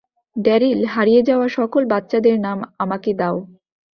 Daryl, হারিয়ে যাওয়া সকল বাচ্চাদের নাম আমাকে দাও।